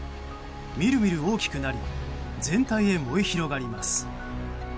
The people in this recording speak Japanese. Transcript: みるみる大きくなり全体へ燃え広がります。